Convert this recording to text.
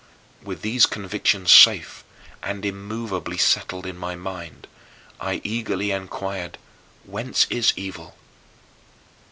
With these convictions safe and immovably settled in my mind, I eagerly inquired, "Whence is evil?"